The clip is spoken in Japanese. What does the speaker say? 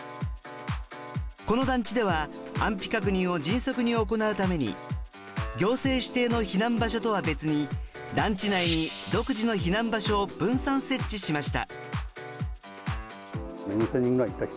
この団地では安否確認を迅速に行うために行政指定の避難場所とは別に団地内に独自の避難場所を分散設置しました。